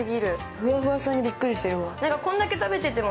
ふわふわさにびっくりした、今。